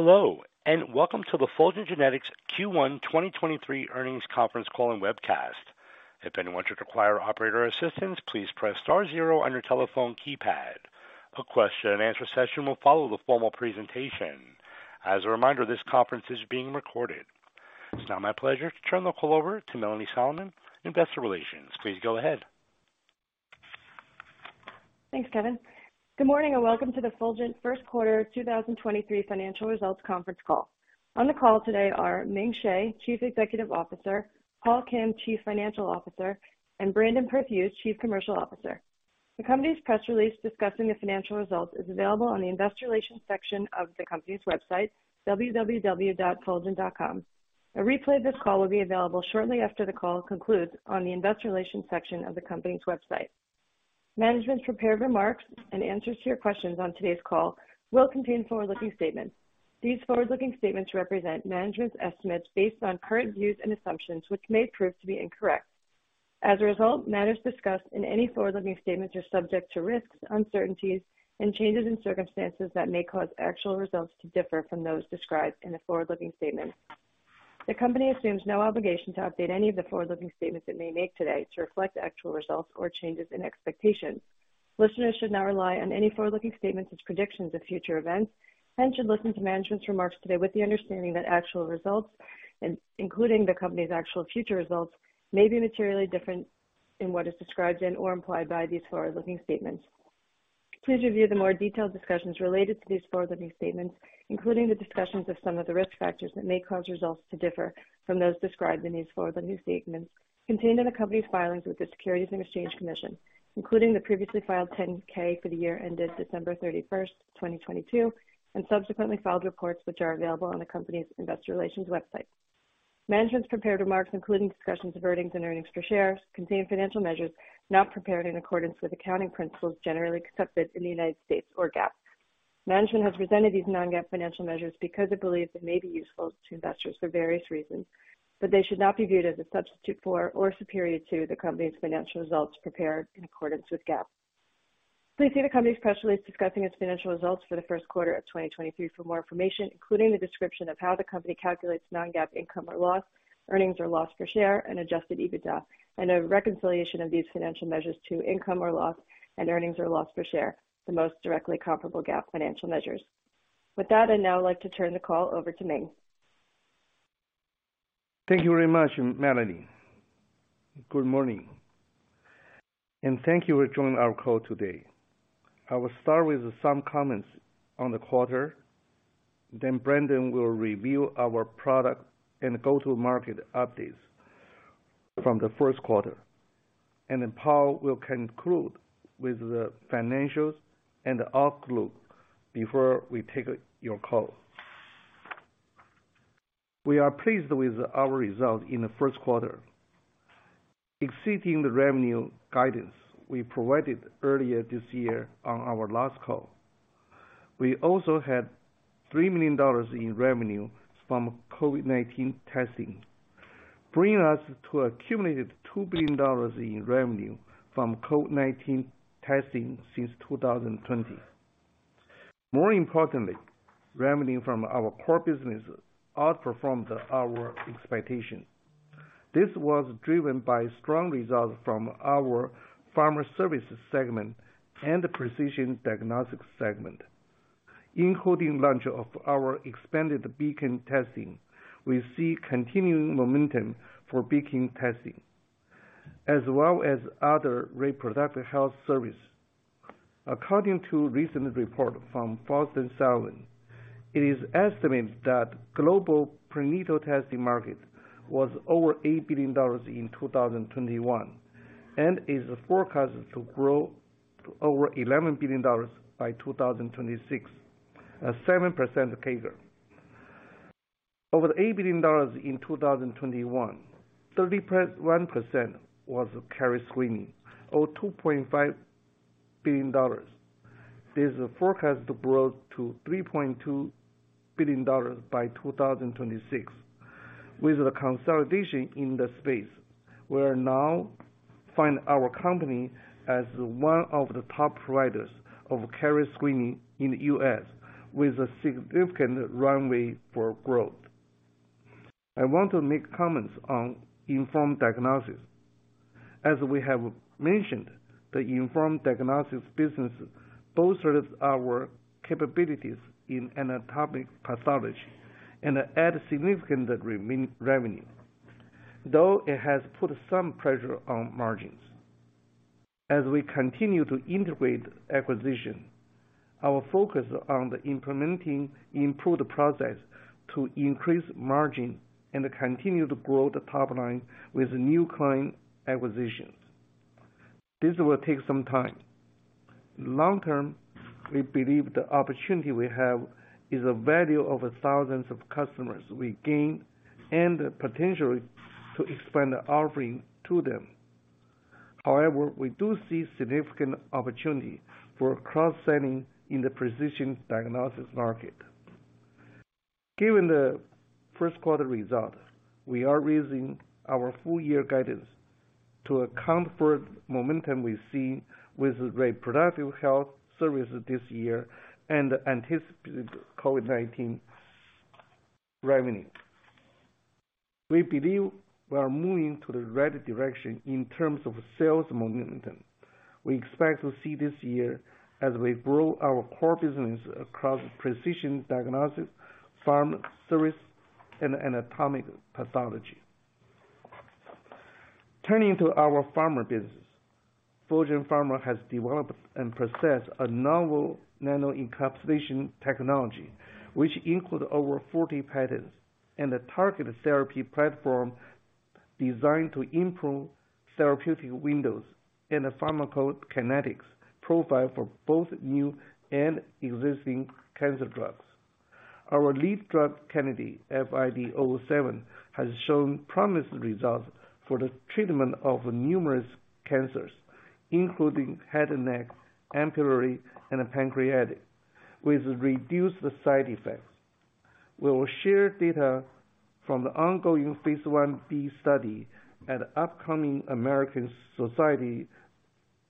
Hello, welcome to the Fulgent Genetics Q1 2023 earnings conference call and webcast. If anyone should require operator assistance, please press star zero on your telephone keypad. A question-and-answer session will follow the formal presentation. As a reminder, this conference is being recorded. It's now my pleasure to turn the call over to Melanie Solomon, Investor Relations. Please go ahead. Thanks, Kevin. Good morning, and welcome to the Fulgent first quarter 2023 financial results conference call. On the call today are Ming Hsieh, Chief Executive Officer, Paul Kim, Chief Financial Officer, and Brandon Perthuis, Chief Commercial Officer. The company's press release discussing the financial results is available on the investor relations section of the company's website, www.fulgent.com. A replay of this call will be available shortly after the call concludes on the investor relations section of the company's website. Management's prepared remarks and answers to your questions on today's call will contain forward-looking statements. These forward-looking statements represent management's estimates based on current views and assumptions, which may prove to be incorrect. As a result, matters discussed in any forward-looking statements are subject to risks, uncertainties, and changes in circumstances that may cause actual results to differ from those described in the forward-looking statement. The company assumes no obligation to update any of the forward-looking statements it may make today to reflect actual results or changes in expectations. Listeners should not rely on any forward-looking statements as predictions of future events, and should listen to management's remarks today with the understanding that actual results, including the company's actual future results, may be materially different than what is described in or implied by these forward-looking statements. Please review the more detailed discussions related to these forward-looking statements, including the discussions of some of the risk factors that may cause results to differ from those described in these forward-looking statements contained in the company's filings with the Securities and Exchange Commission, including the previously filed 10-K for the year ended December 31st, 2022, and subsequently filed reports which are available on the company's investor relations website. Management's prepared remarks, including discussions of earnings and earnings per share, contain financial measures not prepared in accordance with accounting principles generally accepted in the United States or GAAP. Management has presented these non-GAAP financial measures because it believes it may be useful to investors for various reasons, but they should not be viewed as a substitute for or superior to the company's financial results prepared in accordance with GAAP. Please see the company's press release discussing its financial results for the first quarter of 2023 for more information, including the description of how the company calculates non-GAAP income or loss, earnings or loss per share, and adjusted EBITDA, and a reconciliation of these financial measures to income or loss and earnings or loss per share, the most directly comparable GAAP financial measures. With that, I'd now like to turn the call over to Ming. Thank you very much, Melanie. Good morning. Thank you for joining our call today. I will start with some comments on the quarter. Brandon will review our product and go-to-market updates from the first quarter. Paul will conclude with the financials and outlook before we take your call. We are pleased with our results in the first quarter, exceeding the revenue guidance we provided earlier this year on our last call. We also had $3 million in revenue from COVID-19 testing, bringing us to accumulated $2 billion in revenue from COVID-19 testing since 2020. More importantly, revenue from our core business outperformed our expectations. This was driven by strong results from our Pharma Services segment and the Precision Diagnostics segment, including launch of our expanded Beacon testing. We see continuing momentum for Beacon testing, as well as other reproductive health services. According to a recent report from Frost & Sullivan, it is estimated that global prenatal testing market was over $8 billion in 2021, and is forecasted to grow to over $11 billion by 2026 at 7% CAGR. Of the $8 billion in 2021, 31% was carrier screening, or $2.5 billion. This is forecasted to grow to $3.2 billion by 2026. With the consolidation in the space, we now find our company as one of the top providers of carrier screening in the U.S., with a significant runway for growth. I want to make comments on Inform Diagnostics. As we have mentioned, the Inform Diagnostics business bolsters our capabilities in anatomic pathology and add significant revenue, though it has put some pressure on margins. As we continue to integrate acquisition, our focus on implementing improved process to increase margin and continue to grow the top line with new client acquisitions. This will take some time. Long term, we believe the opportunity we have is the value of the thousands of customers we gain and the potential to expand the offering to them. However, we do see significant opportunity for cross-selling in the Precision Diagnostics market. Given the first quarter results, we are raising our full year guidance. To account for momentum we see with the reproductive health services this year and anticipated COVID-19 revenue. We believe we are moving to the right direction in terms of sales momentum. We expect to see this year as we grow our core business across Precision Diagnostics, Pharma Services, and Anatomic Pathology. Turning to our pharma business. Fulgent Pharma has developed and processed a novel nano-encapsulation technology, which include over 40 patents and a targeted therapy platform designed to improve therapeutic windows and the pharmacokinetics profile for both new and existing cancer drugs. Our lead drug candidate, FID-007, has shown promising results for the treatment of numerous cancers, including head and neck, ampullary, and pancreatic, with reduced side effects. We will share data from the ongoing Phase Ia/Ib study at upcoming American Society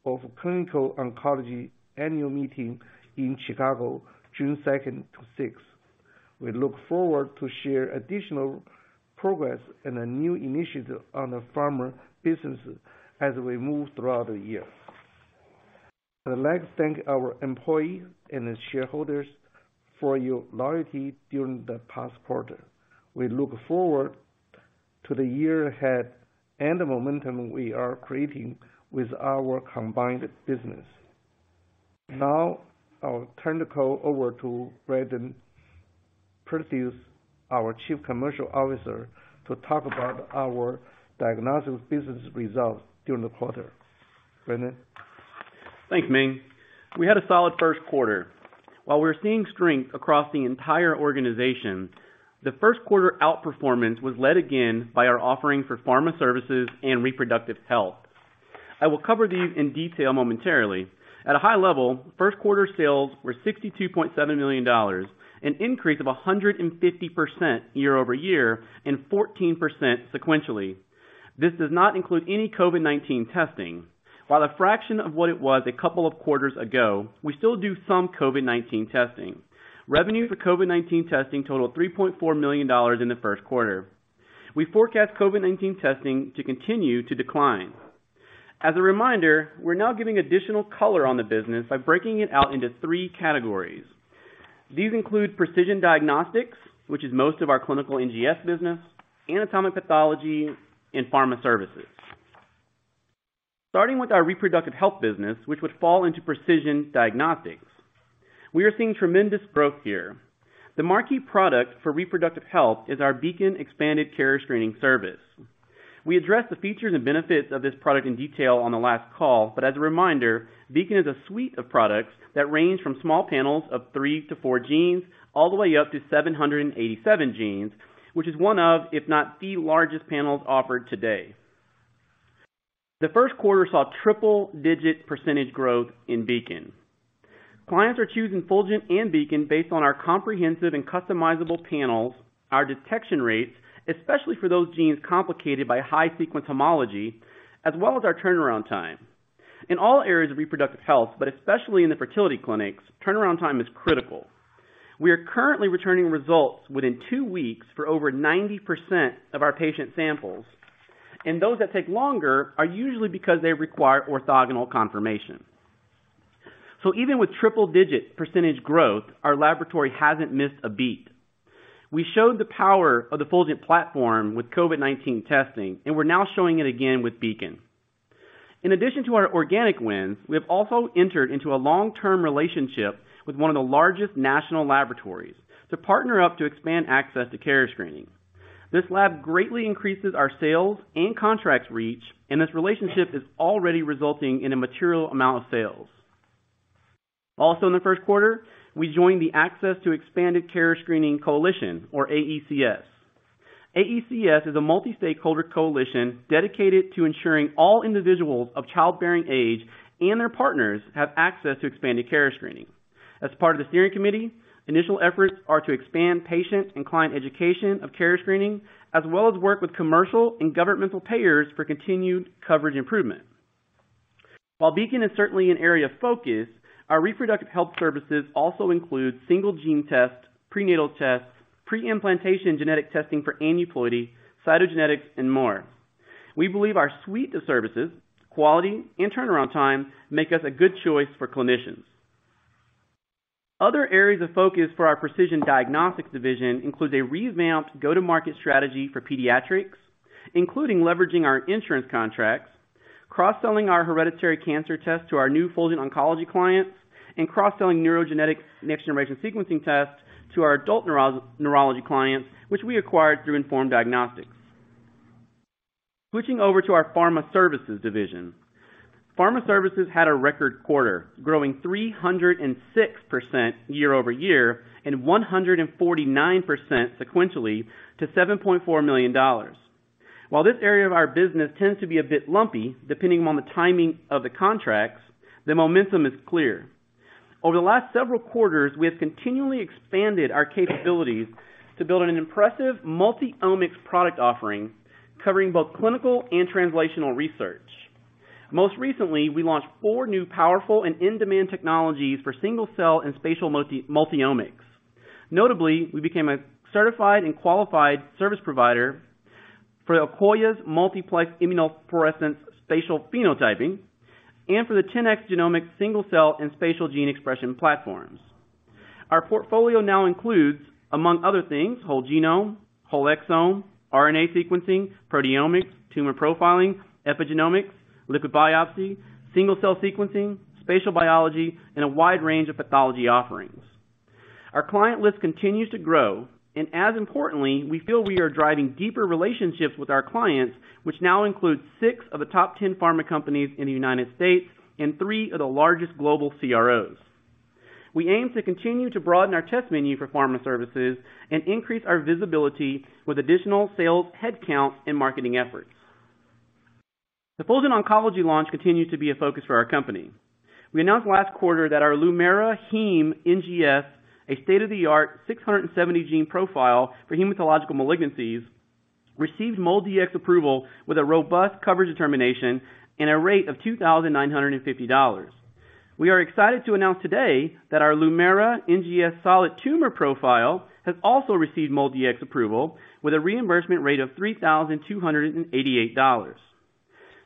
of Clinical Oncology Annual Meeting in Chicago, June 2nd to 6. We look forward to share additional progress and a new initiative on the pharma businesses as we move throughout the year. I'd like to thank our employees and the shareholders for your loyalty during the past quarter. We look forward to the year ahead and the momentum we are creating with our combined business. I'll turn the call over to Brandon Perthuis, our Chief Commercial Officer, to talk about our diagnostic business results during the quarter. Brandon? Thanks, Ming. We had a solid first quarter. While we're seeing strength across the entire organization, the first quarter outperformance was led again by our offering for Pharma Services and reproductive health. I will cover these in detail momentarily. At a high level, first quarter sales were $62.7 million, an increase of 150% year-over-year and 14% sequentially. This does not include any COVID-19 testing. While a fraction of what it was a couple of quarters ago, we still do some COVID-19 testing. Revenue for COVID-19 testing totaled $3.4 million in the first quarter. We forecast COVID-19 testing to continue to decline. As a reminder, we're now giving additional color on the business by breaking it out into three categories. These include Precision Diagnostics, which is most of our clinical NGS business, Anatomic Pathology, and Pharma Services. Starting with our reproductive health business, which would fall into Precision Diagnostics. We are seeing tremendous growth here. The marquee product for reproductive health is our Beacon Expanded Carrier Screening service. We addressed the features and benefits of this product in detail on the last call. As a reminder, Beacon is a suite of products that range from small panels of three to four genes all the way up to 787 genes, which is one of, if not the largest panels offered today. The first quarter saw triple digit percentage growth in Beacon. Clients are choosing Fulgent and Beacon based on our comprehensive and customizable panels, our detection rates, especially for those genes complicated by high sequence homology, as well as our turnaround time. In all areas of reproductive health, especially in the fertility clinics, turnaround time is critical. We are currently returning results within two weeks for over 90% of our patient samples. Those that take longer are usually because they require orthogonal confirmation. Even with triple-digit percentage growth, our laboratory hasn't missed a beat. We showed the power of the Fulgent platform with COVID-19 testing. We're now showing it again with Beacon. In addition to our organic wins, we have also entered into a long-term relationship with one of the largest national laboratories to partner up to expand access to carrier screening. This lab greatly increases our sales and contracts reach. This relationship is already resulting in a material amount of sales. Also in the first quarter, we joined the Access to Expanded Carrier Screening Coalition, or AECS. AECS is a multi-stakeholder coalition dedicated to ensuring all individuals of childbearing age and their partners have access to expanded carrier screening. As part of the steering committee, initial efforts are to expand patient and client education of carrier screening, as well as work with commercial and governmental payers for continued coverage improvement. While Beacon is certainly an area of focus, our reproductive health services also include single gene tests, prenatal tests, preimplantation genetic testing for aneuploidy, cytogenetics, and more. We believe our suite of services, quality, and turnaround time make us a good choice for clinicians. Other areas of focus for our Precision Diagnostics division includes a revamped go-to-market strategy for pediatrics, including leveraging our insurance contracts, cross-selling our hereditary cancer test to our new Fulgent Oncology clients, and cross-selling neurogenetic next generation sequencing tests to our adult neurology clients, which we acquired through Inform Diagnostics. Switching over to our Pharma Services division. Pharma Services had a record quarter, growing 306% year-over-year and 149% sequentially to $7.4 million. While this area of our business tends to be a bit lumpy, depending on the timing of the contracts, the momentum is clear. Over the last several quarters, we have continually expanded our capabilities to build an impressive multi-omics product offering covering both clinical and translational research. Most recently, we launched four new powerful and in-demand technologies for single-cell and spatial multi-omics. Notably, we became a certified and qualified service provider for Akoya's multiplex immunofluorescence spatial phenotyping and for the 10x Genomics single-cell and spatial gene expression platforms. Our portfolio now includes, among other things, whole genome, whole exome, RNA sequencing, proteomics, tumor profiling, epigenomics, liquid biopsy, single-cell sequencing, spatial biology, and a wide range of pathology offerings. Our client list continues to grow, and as importantly, we feel we are driving deeper relationships with our clients, which now includes six of the top 10 pharma companies in the United States and three of the largest global CROs. We aim to continue to broaden our test menu for Pharma Services and increase our visibility with additional sales, headcount, and marketing efforts. The Fulgent Oncology launch continues to be a focus for our company. We announced last quarter that our Lumera Heme NGS, a state-of-the-art 670 gene profile for hematological malignancies, received MolDX approval with a robust coverage determination and a rate of $2,950. We are excited to announce today that our Lumera NGS Solid Tumor Profile has also received MolDX approval with a reimbursement rate of $3,288.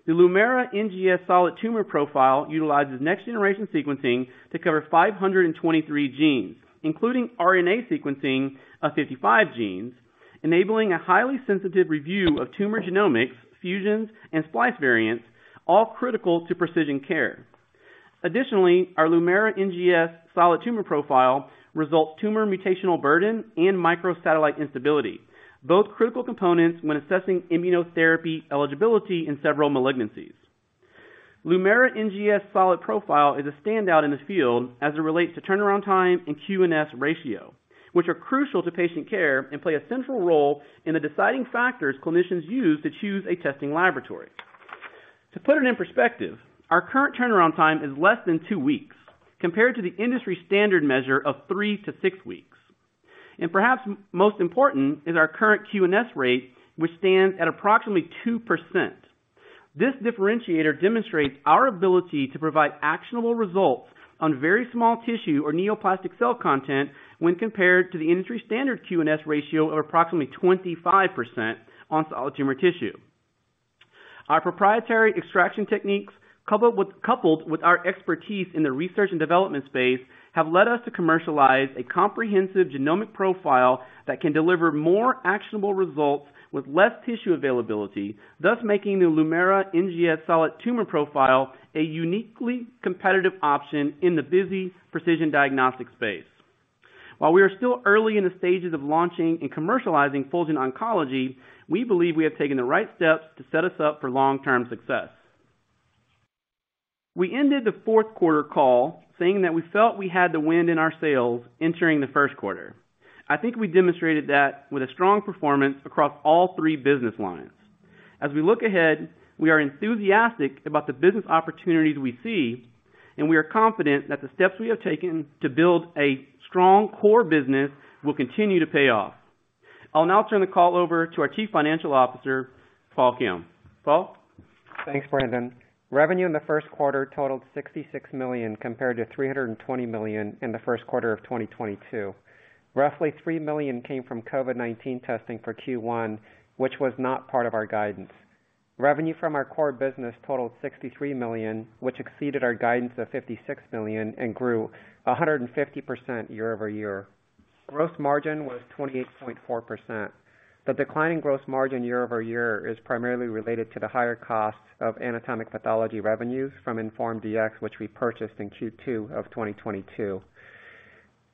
The Lumera NGS Solid Tumor Profile utilizes next-generation sequencing to cover 523 genes, including RNA sequencing of 55 genes, enabling a highly sensitive review of tumor genomics, fusions, and splice variants, all critical to precision care. Additionally, our Lumera NGS Solid Tumor Profile results tumor mutational burden and microsatellite instability, both critical components when assessing immunotherapy eligibility in several malignancies. Lumera NGS Solid Tumor Profile is a standout in the field as it relates to turnaround time and QNS ratio, which are crucial to patient care and play a central role in the deciding factors clinicians use to choose a testing laboratory. To put it in perspective, our current turnaround time is less than two weeks compared to the industry standard measure of three to six weeks. Perhaps most important is our current QNS rate, which stands at approximately 2%. This differentiator demonstrates our ability to provide actionable results on very small tissue or neoplastic cell content when compared to the industry standard QNS ratio of approximately 25% on solid tumor tissue. Our proprietary extraction techniques, coupled with our expertise in the research and development space, have led us to commercialize a comprehensive genomic profile that can deliver more actionable results with less tissue availability, thus making the Lumera NGS Solid Tumor Profile a uniquely competitive option in the busy Precision Diagnostics space. While we are still early in the stages of launching and commercializing Fulgent Oncology, we believe we have taken the right steps to set us up for long-term success. We ended the fourth quarter call saying that we felt we had the wind in our sails entering the first quarter. I think we demonstrated that with a strong performance across all three business lines. As we look ahead, we are enthusiastic about the business opportunities we see. We are confident that the steps we have taken to build a strong core business will continue to pay off. I'll now turn the call over to our Chief Financial Officer, Paul Kim. Paul? Thanks, Brandon. Revenue in the first quarter totaled $66 million, compared to $320 million in the first quarter of 2022. Roughly $3 million came from COVID-19 testing for Q1, which was not part of our guidance. Revenue from our core business totaled $63 million, which exceeded our guidance of $56 million and grew 150% year-over-year. Gross margin was 28.4%. The decline in gross margin year-over-year is primarily related to the higher costs of anatomic pathology revenues from Inform Diagnostics, which we purchased in Q2 of 2022.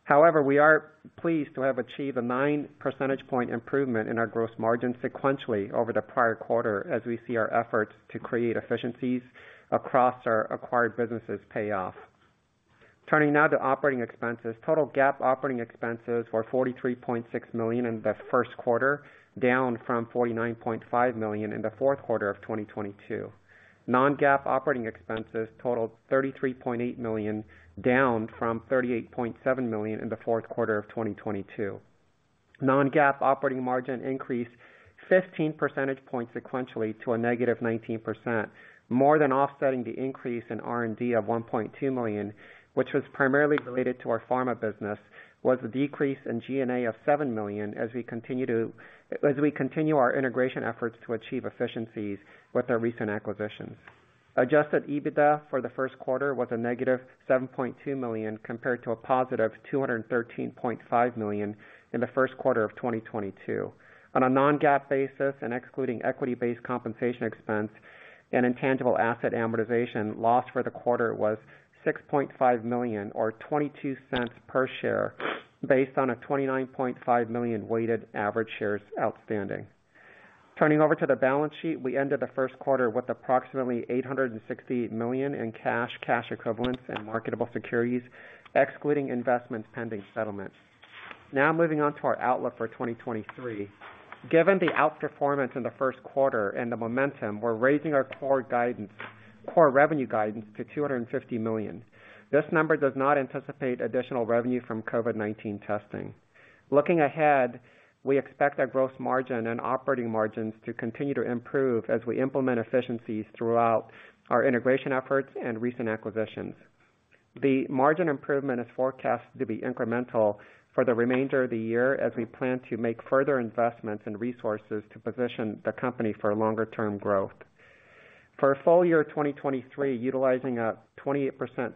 However, we are pleased to have achieved a 9 percentage point improvement in our gross margin sequentially over the prior quarter as we see our efforts to create efficiencies across our acquired businesses pay off. Turning now to operating expenses. Total GAAP operating expenses were $43.6 million in the first quarter, down from $49.5 million in the fourth quarter of 2022. Non-GAAP operating expenses totaled $33.8 million, down from $38.7 million in the fourth quarter of 2022. Non-GAAP operating margin increased 15 percentage points sequentially to a negative 19%. More than offsetting the increase in R&D of $1.2 million, which was primarily related to our pharma business, was a decrease in G&A of $7 million as we continue our integration efforts to achieve efficiencies with our recent acquisitions. Adjusted EBITDA for the first quarter was a negative $7.2 million, compared to a positive $213.5 million in the first quarter of 2022. On a non-GAAP basis and excluding equity-based compensation expense and intangible asset amortization, loss for the quarter was $6.5 million or $0.22 per share based on a 29.5 million weighted average shares outstanding. Turning over to the balance sheet. We ended the first quarter with approximately $860 million in cash equivalents and marketable securities, excluding investments pending settlement. Moving on to our outlook for 2023. Given the outperformance in the first quarter and the momentum, we're raising our core guidance, core revenue guidance to $250 million. This number does not anticipate additional revenue from COVID-19 testing. Looking ahead, we expect our gross margin and operating margins to continue to improve as we implement efficiencies throughout our integration efforts and recent acquisitions. The margin improvement is forecast to be incremental for the remainder of the year as we plan to make further investments in resources to position the company for longer term growth. For full year 2023, utilizing a 28%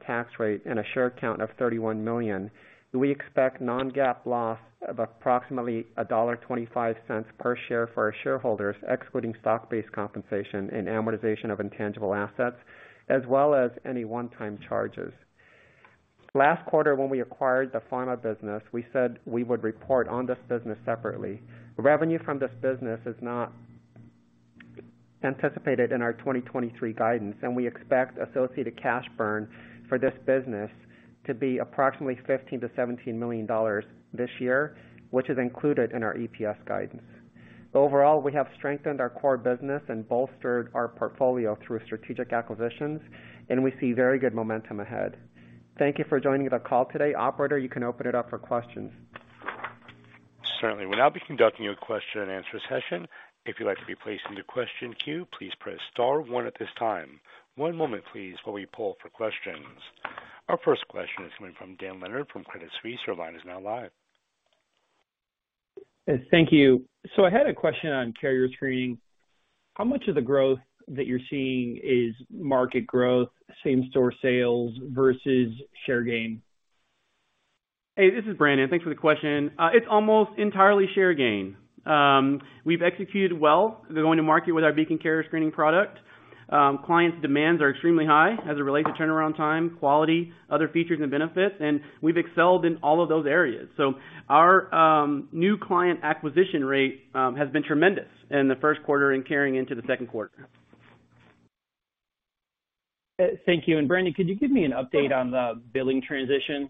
tax rate and a share count of 31 million, we expect non-GAAP loss of approximately $1.25 per share for our shareholders, excluding stock-based compensation and amortization of intangible assets, as well as any one-time charges. Last quarter, when we acquired the pharma business, we said we would report on this business separately. Revenue from this business is not anticipated in our 2023 guidance, and we expect associated cash burn for this business to be approximately $15 million-$17 million this year, which is included in our EPS guidance. Overall, we have strengthened our core business and bolstered our portfolio through strategic acquisitions. We see very good momentum ahead. Thank you for joining the call today. Operator, you can open it up for questions. Certainly. We'll now be conducting a question-and-answer session. If you'd like to be placed into question queue, please press star one at this time. One moment, please, while we pull for questions. Our first question is coming from Dan Leonard from Credit Suisse. Your line is now live. Thank you. I had a question on carrier screening. How much of the growth that you're seeing is market growth, same-store sales versus share gain? Hey, this is Brandon. Thanks for the question. It's almost entirely share gain. We've executed well going to market with our Beacon Carrier Screening product. Clients' demands are extremely high as it relates to turnaround time, quality, other features and benefits, and we've excelled in all of those areas. Our new client acquisition rate has been tremendous in the first quarter and carrying into the second quarter. Thank you. Brandon, could you give me an update on the billing transition,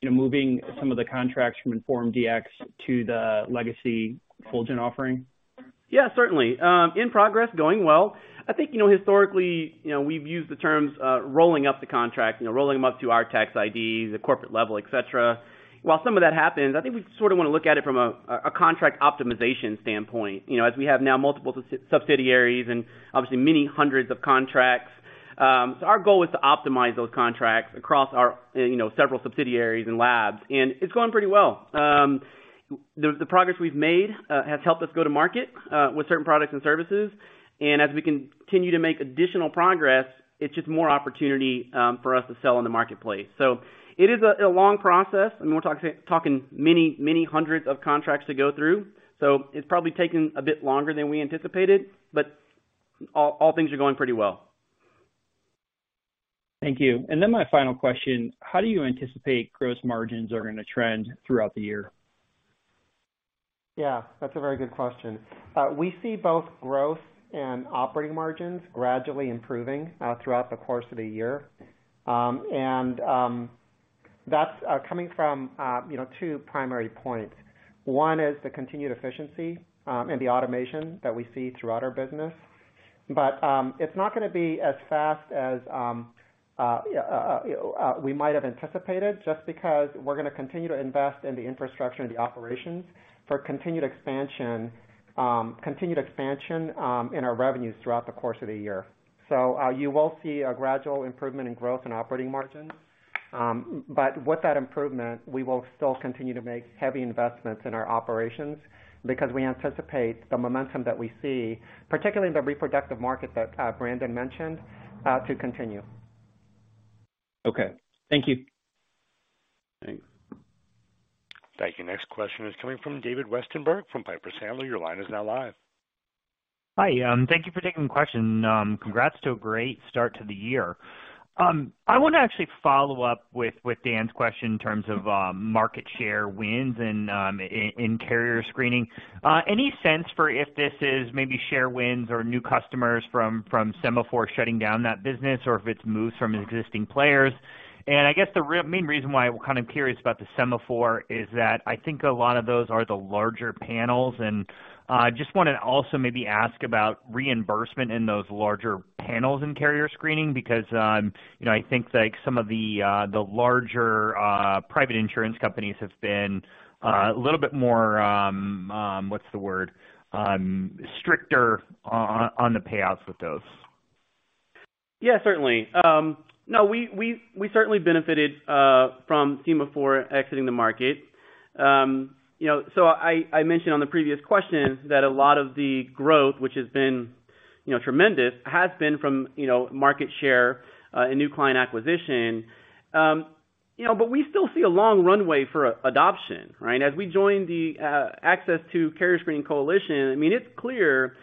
you know, moving some of the contracts from Inform Diagnostics to the legacy Fulgent offering? Yeah, certainly. In progress, going well. I think, you know, historically, you know, we've used the terms, rolling up the contract, you know, rolling them up to our tax ID, the corporate level, et cetera. While some of that happens, I think we sort of wanna look at it from a contract optimization standpoint, you know. As we have now multiple subsidiaries and obviously many hundreds of contracts. Our goal is to optimize those contracts across our, you know, several subsidiaries and labs, and it's going pretty well. The progress we've made has helped us go to market with certain products and services. As we continue to make additional progress, it's just more opportunity for us to sell in the marketplace. It is a long process and we're talking many, many hundreds of contracts to go through. It's probably taken a bit longer than we anticipated, but all things are going pretty well. Thank you. My final question, how do you anticipate gross margins are going to trend throughout the year? Yeah, that's a very good question. We see both growth and operating margins gradually improving throughout the course of the year. That's coming from, you know, two primary points. One is the continued efficiency and the automation that we see throughout our business. It's not gonna be as fast as we might have anticipated just because we're gonna continue to invest in the infrastructure and the operations for continued expansion in our revenues throughout the course of the year. You will see a gradual improvement in growth and operating margins. With that improvement, we will still continue to make heavy investments in our operations because we anticipate the momentum that we see, particularly in the reproductive market that Brandon mentioned, to continue. Okay. Thank you. Thanks. Thank you. Next question is coming from David Westenberg from Piper Sandler. Your line is now live. Hi, thank you for taking the question. Congrats to a great start to the year. I wanna actually follow up with Dan's question in terms of market share wins and in carrier screening. Any sense for if this is maybe share wins or new customers from Sema4 shutting down that business or if it's moves from existing players? I guess the main reason why I'm kind of curious about the Sema4 is that I think a lot of those are the larger panels. Just wanna also maybe ask about reimbursement in those larger panels in carrier screening, because, you know, I think like some of the larger private insurance companies have been a little bit more, what's the word? Stricter on the payouts with those. Yeah, certainly. No, we certainly benefited from Sema4 exiting the market. You know, I mentioned on the previous questions that a lot of the growth, which has been, you know, tremendous, has been from, you know, market share and new client acquisition. You know, we still see a long runway for adoption, right? As we join the Access to Carrier Screening Coalition, I mean, it's clear that,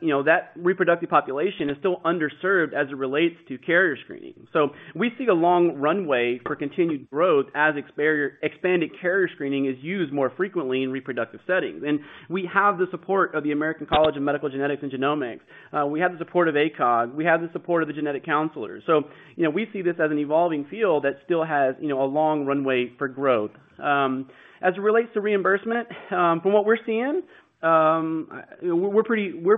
you know, that reproductive population is still underserved as it relates to carrier screening. We see a long runway for continued growth as expanded carrier screening is used more frequently in reproductive settings. We have the support of the American College of Medical Genetics and Genomics. We have the support of ACOG, we have the support of the genetic counselors. You know, we see this as an evolving field that still has, you know, a long runway for growth. As it relates to reimbursement, from what we're seeing, we're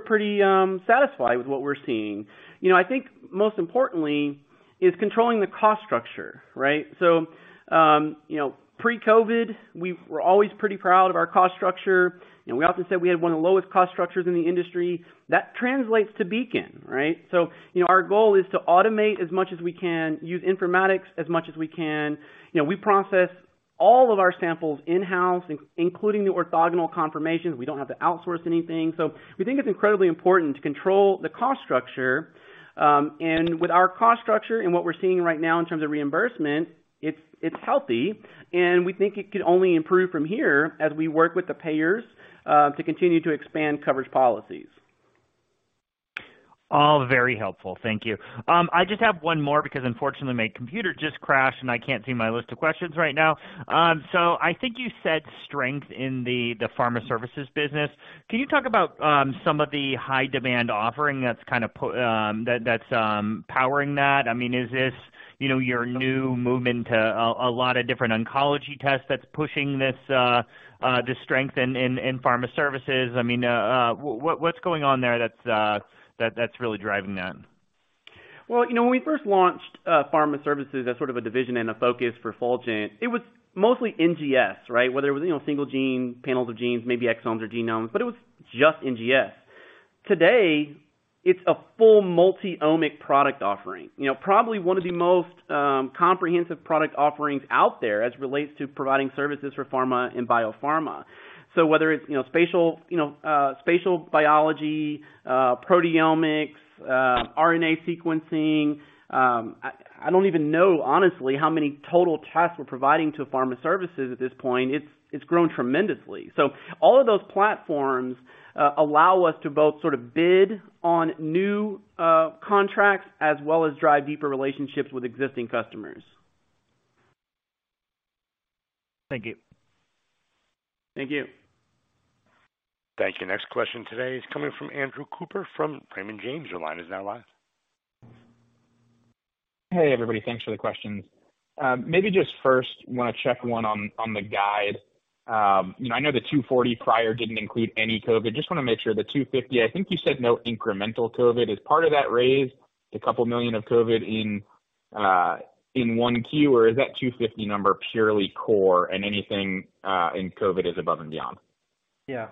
pretty satisfied with what we're seeing. You know, I think most importantly is controlling the cost structure, right? You know, pre-COVID, we're always pretty proud of our cost structure, and we often said we had one of the lowest cost structures in the industry. That translates to Beacon, right? You know, our goal is to automate as much as we can, use informatics as much as we can. You know, we process all of our samples in-house, including the orthogonal confirmations. We don't have to outsource anything. We think it's incredibly important to control the cost structure. With our cost structure and what we're seeing right now in terms of reimbursement, it's healthy and we think it could only improve from here as we work with the payers to continue to expand coverage policies. All very helpful. Thank you. I just have one more because unfortunately my computer just crashed and I can't see my list of questions right now. I think you said strength in the Pharma Services business. Can you talk about some of the high demand offering that's kind of that's powering that? I mean, is this, you know, your new movement to a lot of different oncology tests that's pushing this, the strength in Pharma Services? I mean, what's going on there that's really driving that? Well, you know, when we first launched Pharma Services as sort of a division and a focus for Fulgent, it was mostly NGS, right? Whether it was, you know, single gene, panels of genes, maybe exomes or genomes, but it was just NGS. Today, it's a full multi-omic product offering. You know, probably one of the most comprehensive product offerings out there as it relates to providing services for pharma and biopharma. Whether it's, you know, spatial, you know, spatial biology, proteomics, RNA sequencing, I don't even know honestly how many total tests we're providing to Pharma Services at this point. It's grown tremendously. All of those platforms allow us to both sort of bid on new contracts as well as drive deeper relationships with existing customers. Thank you. Thank you. Thank you. Next question today is coming from Andrew Cooper from Raymond James. Your line is now live. Hey, everybody. Thanks for the questions. maybe just first wanna check one on the guide. you know, I know the $240 million prior didn't include any COVID. Just wanna make sure the $250 million, I think you said no incremental COVID. Is part of that raise the $2 million of COVID in 1Q, or is that $250 million number purely core and anything in COVID is above and beyond? Yeah.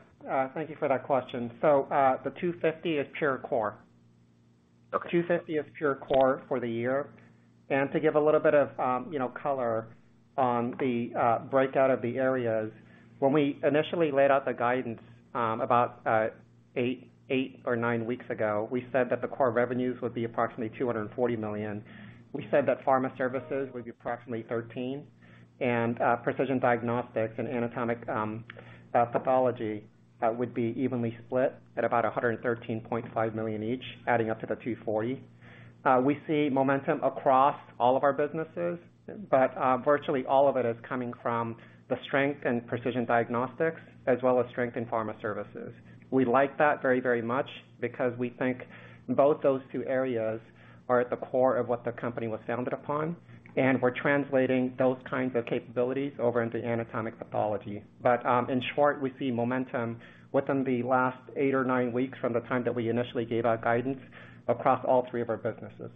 Thank you for that question. The $250 million is pure core. Okay. $250 million is pure core for the year. To give a little bit of, you know, color on the breakout of the areas, when we initially laid out the guidance, about eight or nine weeks ago, we said that the core revenues would be approximately $240 million. We said that Pharma Services would be approximately $13 million. Precision Diagnostics and Anatomic Pathology would be evenly split at about $113.5 million each, adding up to the $240 million. We see momentum across all of our businesses, virtually all of it is coming from the strength in Precision Diagnostics as well as strength in Pharma Services. We like that very, very much because we think both those two areas are at the core of what the company was founded upon, and we're translating those kinds of capabilities over into anatomic pathology. In short, we see momentum within the last eight or nine weeks from the time that we initially gave our guidance across all three of our businesses.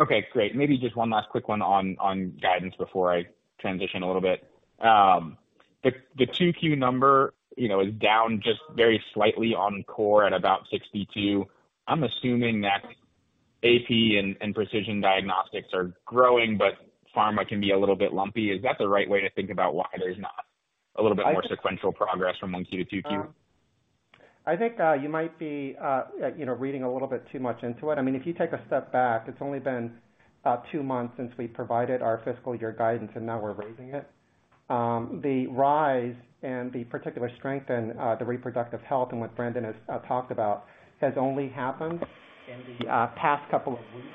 Okay, great. Maybe just one last quick one on guidance before I transition a little bit. The, the 2Q number, you know, is down just very slightly on core at about $62 million. I'm assuming that AP and Precision Diagnostics are growing, but Pharma can be a little bit lumpy. Is that the right way to think about why there's not a little bit more sequential progress from 1Q to 2Q? I think, you might be, you know, reading a little bit too much into it. I mean, if you take a step back, it's only been two months since we provided our fiscal year guidance, and now we're raising it. The rise and the particular strength in the reproductive health and what Brandon has talked about has only happened in the past couple of weeks,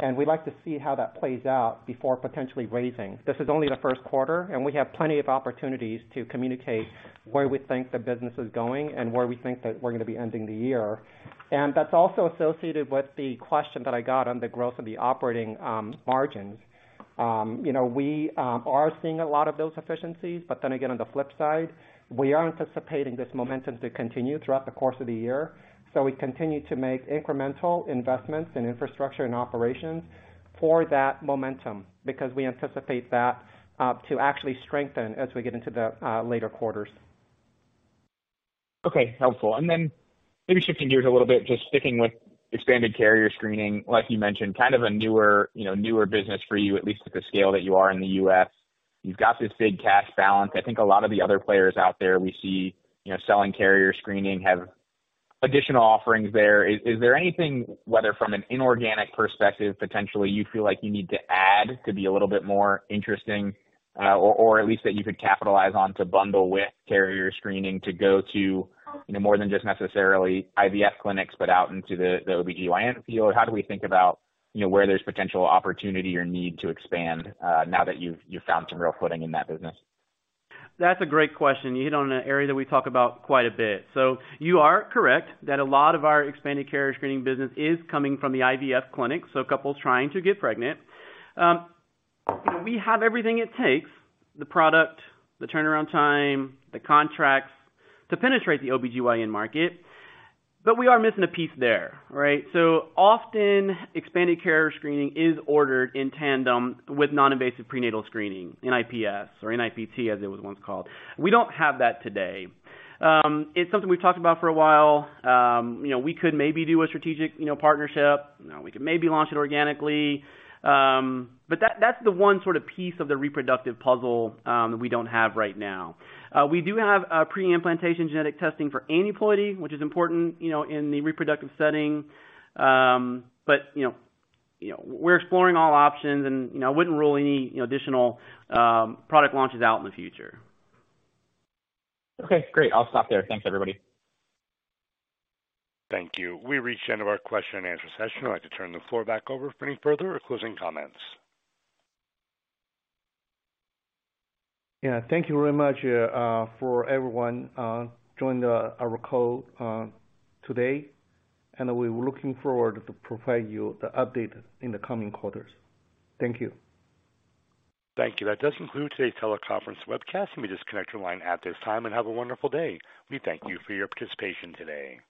and we like to see how that plays out before potentially raising. This is only the first quarter, and we have plenty of opportunities to communicate where we think the business is going and where we think that we're gonna be ending the year. That's also associated with the question that I got on the growth of the operating margins. You know, we are seeing a lot of those efficiencies. On the flip side, we are anticipating this momentum to continue throughout the course of the year. We continue to make incremental investments in infrastructure and operations for that momentum because we anticipate that to actually strengthen as we get into the later quarters. Okay. Helpful. Maybe shifting gears a little bit, just sticking with expanded carrier screening, like you mentioned, kind of a newer, you know, newer business for you, at least at the scale that you are in the U.S. You've got this big cash balance. I think a lot of the other players out there, we see, you know, selling carrier screening have additional offerings there. Is there anything, whether from an inorganic perspective, potentially you feel like you need to add to be a little bit more interesting, or at least that you could capitalize on to bundle with carrier screening to go to, you know, more than just necessarily IVF clinics, but out into the OBGYN field? How do we think about, you know, where there's potential opportunity or need to expand, now that you've found some real footing in that business? That's a great question. You hit on an area that we talk about quite a bit. You are correct that a lot of our expanded carrier screening business is coming from the IVF clinic, so couples trying to get pregnant. You know, we have everything it takes, the product, the turnaround time, the contracts to penetrate the OBGYN market, but we are missing a piece there, right? Often expanded carrier screening is ordered in tandem with noninvasive prenatal screening, NIPS or NIPT, as it was once called. We don't have that today. It's something we've talked about for a while. You know, we could maybe do a strategic, you know, partnership. You know, we could maybe launch it organically. But that's the one sort of piece of the reproductive puzzle that we don't have right now. We do have preimplantation genetic testing for aneuploidy, which is important, you know, in the reproductive setting. You know, you know, we're exploring all options and, you know, wouldn't rule any, you know, additional product launches out in the future. Okay. Great. I'll stop there. Thanks, everybody. Thank you. We reached the end of our question and answer session. I'd like to turn the floor back over for any further or closing comments. Yeah. Thank you very much, for everyone, joining our call, today. We're looking forward to provide you the update in the coming quarters. Thank you. Thank you. That does conclude today's teleconference webcast. You may disconnect your line at this time and have a wonderful day. We thank you for your participation today.